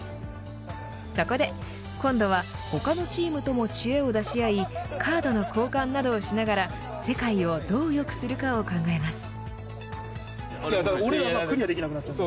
そこで、今度は他のチームとも知恵を出し合いカードの交換などをしながら世界をどう良くするかを考えます。